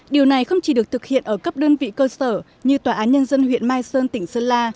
điều này không chỉ được thực hiện ở cấp đơn vị cơ sở như tòa án nhân dân huyện mai sơn tỉnh sơn la